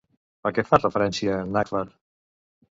A què fa referència Naglfar?